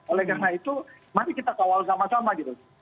oleh karena itu mari kita kawal sama sama gitu